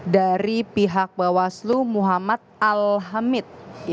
dari pihak bawaslu muhammad al hamid